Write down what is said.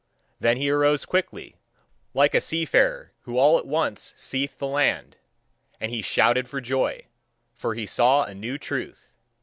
Then he arose quickly, like a seafarer who all at once seeth the land; and he shouted for joy: for he saw a new truth.